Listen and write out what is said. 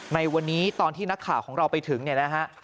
ในวันนี้ตอนที่นักข่าวของเราไปถึงเนี่ยนะฮะ